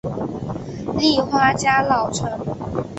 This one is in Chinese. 立花家老臣。